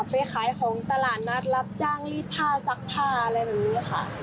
ไปขายของตลาดนัดรับจ้างรีดผ้าซักผ้าอะไรแบบนี้ค่ะ